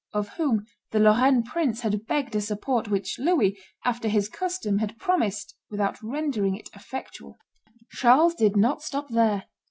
of whom the Lorraine prince had begged a support, which Louis, after his custom, had promised without rendering it effectual. Charles did not stop there.